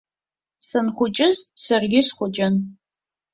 Санхәыҷыз саргьы схәыҷын.